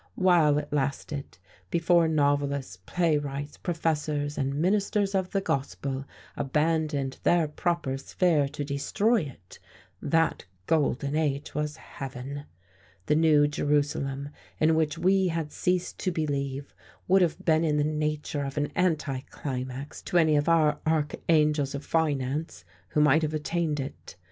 While it lasted, before novelists, playwrights, professors and ministers of the Gospel abandoned their proper sphere to destroy it, that Golden Age was heaven; the New Jerusalem in which we had ceased to believe would have been in the nature of an anticlimax to any of our archangels of finance who might have attained it.